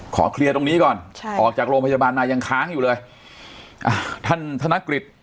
เคลียร์ตรงนี้ก่อนใช่ออกจากโรงพยาบาลมายังค้างอยู่เลยอ่าท่านธนกฤษ